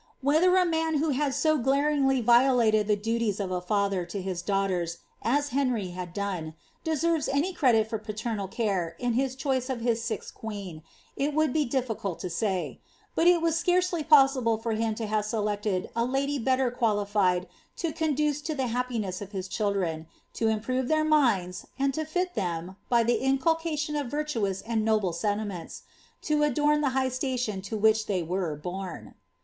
Whether a man who had so glaringly violated the ^Ues of a father to his daughters, as Henry had done, deserves any i'^it for paternal care in his choice of his sixth queen, it would be dif ^. kk!y 'Uli to say ; but it was scarcely possible for him to have selected a Jy better qualified to conduce to the happiness of his children, to im l^re their minds, and to fit them, by the inculcation of virtuous and ^^ble sentiments, to adorn the high station to which they were born.